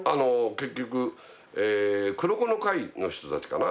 結局黒子の会の人たちかな。